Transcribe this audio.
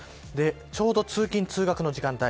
ちょうど通勤通学の時間帯。